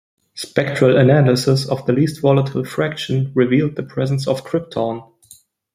Spectral analysis of the least volatile fraction revealed the presence of krypton.